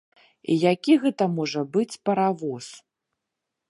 І які гэта можа быць паравоз?